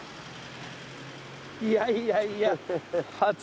いやいやいや。